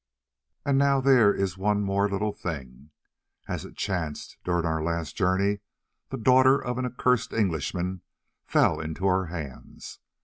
"And now there is one more little thing. As it chanced during our last journey, the daughter of an accursed Englishman fell into our hands.